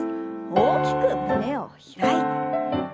大きく胸を開いて。